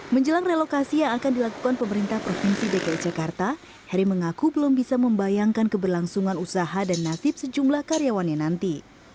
menjelang relokasi yang akan dilakukan pemerintah provinsi dki jakarta heri mengaku belum bisa membayangkan keberlangsungan usaha dan nasib sejumlah karyawannya nanti